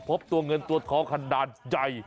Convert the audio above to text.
พบตัวเงินตัวทองขนาดใหญ่